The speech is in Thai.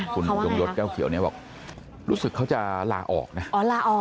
คุณยุงยศแก้วเขียวนี้บอกรู้สึกเขาจะลาออกนะ